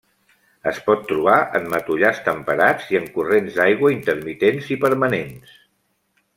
Es pot trobar en matollars temperats i en corrents d'aigua intermitents i permanents.